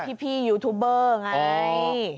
พี่พี่ยูทูเปอร์ไง